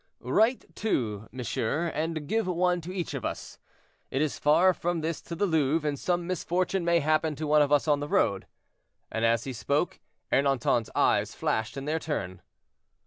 "Write two, monsieur, and give one to each of us. It is far from this to the Louvre, and some misfortune may happen to one of us on the road," and as he spoke, Ernanton's eyes flashed in their turn.